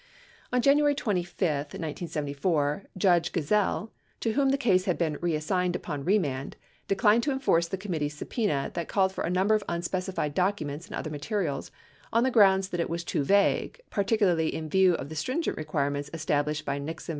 On January 25, 1974, Judge Gesell, to whom the case had been reassigned upon remand, declined to enforce the committee's subpena that called for a number of unspecified documents and other materials on the grounds that it was too vague, particularly in view of the stringent requirements established by Nixon v.